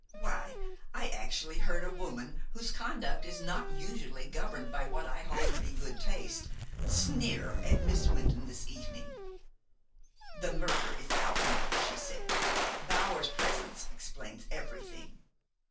Why, I actually heard a woman whose conduct is not usually governed by what I hold to be good taste sneer at Miss Wynton this evening. 'The murder is out now,' she said. 'Bower's presence explains everything.'